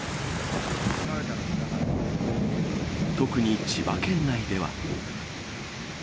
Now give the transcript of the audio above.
特に千葉県内では。